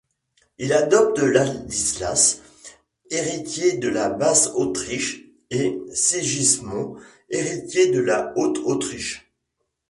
Il adopte Ladislas, héritier de la Basse-Autriche, et Sigismond, héritier de la Haute-Autriche.